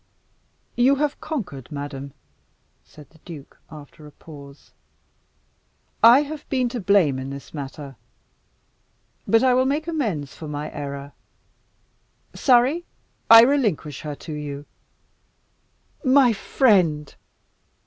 "You have conquered madam," said the duke, after a pause. "I have been to blame in this matter. But I will make amends for my error. Surrey, I relinquish her to you." "My friend!"